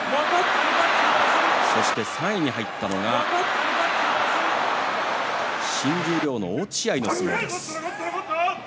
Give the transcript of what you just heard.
そして３位に入ったのが新十両、落合の相撲です。